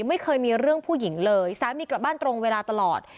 ไม่เคยมีเรื่องผู้หญิงเลยสามีกลับบ้านตรงเวลาตลอด